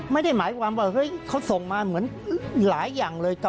ไม่ได้หมายความว่าเฮ้ยเขาส่งมาเหมือนหลายอย่างเลย